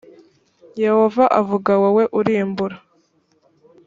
yehova avuga wowe urimbura